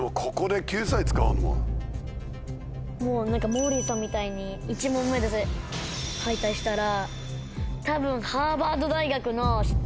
モーリーさんみたいに１問目で敗退したら多分。